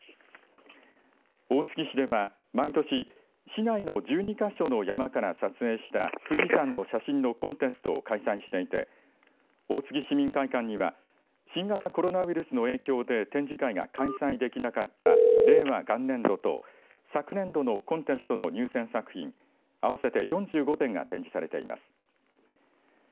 大月市では毎年市内の１２か所の山から撮影した富士山の写真のコンテストを開催していて大月市民会館には新型コロナウイルスの影響で展示会が開催できなかった令和元年度と昨年度のコンテストの入選作品合わせて４５点が展示されています。